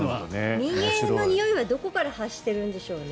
人間のにおいはどこから発してるんですかね。